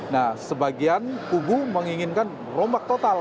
nah sebagian kubu menginginkan rombak total